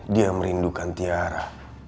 dia merindukan tiara